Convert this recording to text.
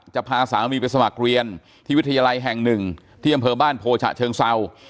จะพาสามีไปสมัครเรียนที่วิทยาลัยแห่งหนึ่งที่อำเภอบ้านโพฉะเชิงเศร้า